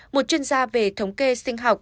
một chuyên gia về thống kê sinh học